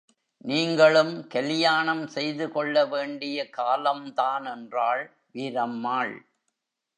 நீங்களும் கலியாணம் செய்து கொள்ள வேண்டிய காலம் தான் என்றாள் வீரம்மாள்.